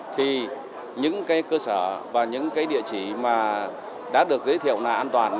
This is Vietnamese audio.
thì những cơ sở và những địa chỉ mà đã được giới thiệu là an toàn